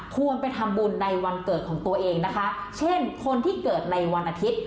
ควรไปทำบุญในวันเกิดของตัวเองนะคะเช่นคนที่เกิดในวันอาทิตย์